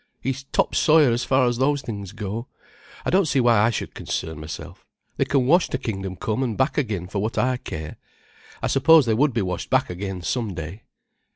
He's top sawyer as far as those things go. I don't see why I should concern myself. They can wash to kingdom come and back again for what I care. I suppose they would be washed back again some day.